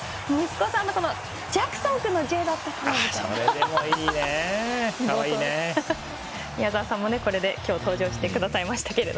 息子さんのジャクソン君のこれはいいね宮澤さんも今日これで登場してくださいましたけど